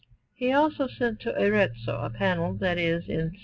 He also sent to Arezzo a panel that is in S.